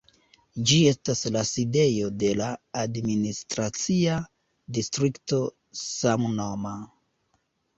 Ĝi estas la sidejo de la administracia distrikto samnoma.